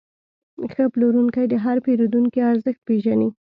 ښه پلورونکی د هر پیرودونکي ارزښت پېژني.